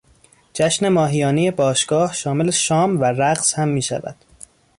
جشن ماهیانهی باشگاه شامل شام و رقص هم میشود.